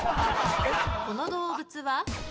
この動物は？